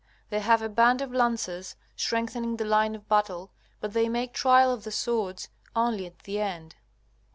They have a band of lancers strengthening the line of battle, but they make trial of the swords only at the end.